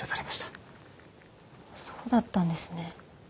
そうだったんですね。